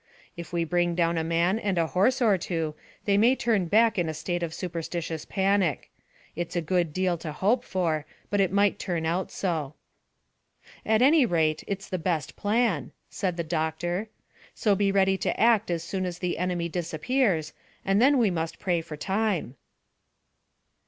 If we bring down a man and a horse or two they may turn back in a state of superstitious panic. It's a good deal to hope for, but it might turn out so." "At any rate it's the best plan," said the doctor. "So be ready to act as soon as the enemy disappears, and then we must pray for time."